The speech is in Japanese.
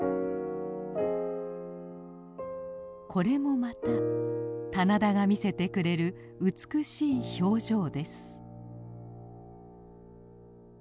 これもまた棚田が見せてくれる美しい表情です。